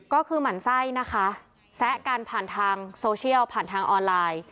ก็คือหมั่นไส้นะคะแซะกันผ่านทางโซเชียลผ่านทางออนไลน์